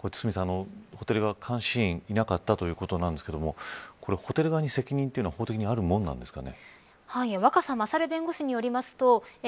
堤さん、ホテル側監視員がいなかったということなんですがホテル側に責任というのは法的にあるものなんですか。